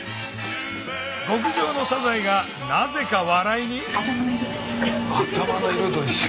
極上のサザエがなぜか笑いに⁉頭の色と一緒。